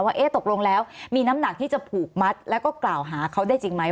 ว่าตกลงแล้วมีน้ำหนักที่จะผูกมัดแล้วก็กล่าวหาเขาได้จริงไหม